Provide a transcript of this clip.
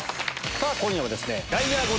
さぁ今夜はですね。